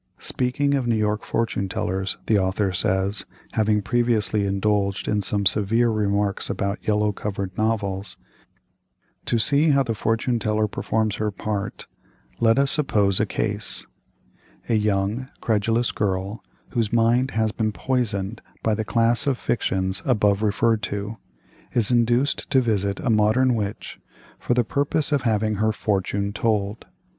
Speaking of New York fortune tellers, the author says, having previously indulged in some severe remarks about "yellow covered" novels: "To see how the fortune teller performs her part, let us suppose a case: "A young, credulous girl, whose mind has been poisoned by the class of fictions above referred to, is induced to visit a modern witch, for the purpose of having her 'fortune told.